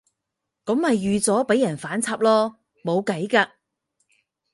噉咪預咗畀人反插囉，冇計㗎